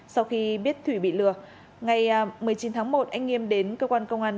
sau khi biết thủy bị lừa ngày một mươi chín tháng một anh nghiêm đến cơ quan công an